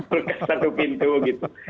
perkas satu pintu gitu